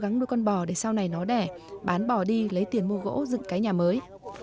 gắn nuôi con bò để sau này nó đẻ bán bò đi lấy tiền mua gỗ dựng cái nhà mới